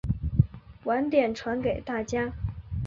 晚点传给大家